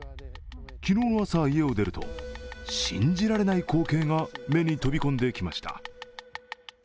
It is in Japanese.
昨日の朝、家を出ると信じられない光景が目に飛び込んできました。